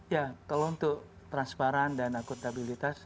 ya kalau untuk transparan dan akuntabilitas